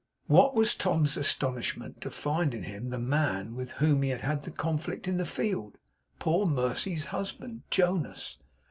What was Tom's astonishment to find in him the man with whom he had had the conflict in the field poor Mercy's husband. Jonas!